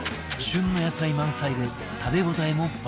旬の野菜満載で食べ応えも抜群